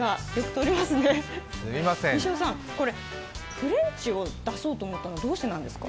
フレンチを出そうと思ったのはどうしてなんですか？